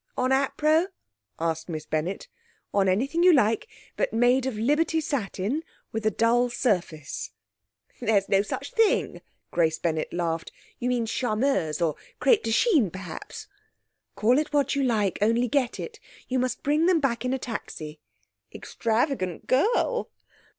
'On appro.?' asked Miss Bennett. 'On anything you like, but made of Liberty satin, with a dull surface.' 'There's no such thing.' Grace Bennett laughed. 'You mean charmeuse, or crepe de chine, perhaps?' 'Call it what you like, only get it. You must bring them back in a taxi.' 'Extravagant girl!'